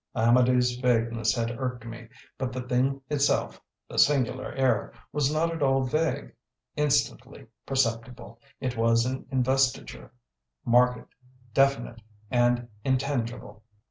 Amedee's vagueness had irked me, but the thing itself the "singular air" was not at all vague. Instantly perceptible, it was an investiture; marked, definite and intangible.